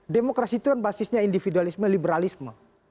demokrasi itu kan basisnya individualisme liberalisme